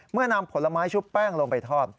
นำผลไม้ชุบแป้งลงไปทอด